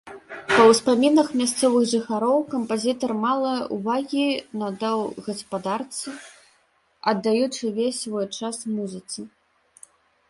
Па ўспамінах мясцовых жыхароў кампазітар мала ўвагі надаваў гаспадарцы, аддаючы весь свой час музыцы.